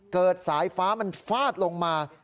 เกิดสายฟ้ามันฟาดลงมา